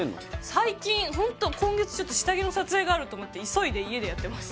最近ホント今月ちょっと下着の撮影があると思って急いで家でやってます